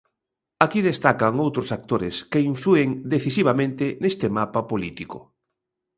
Aquí destacan outros actores que inflúen decisivamente neste mapa político.